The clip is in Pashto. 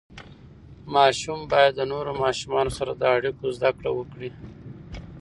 ماشوم باید د نورو ماشومانو سره د اړیکو زده کړه وکړي.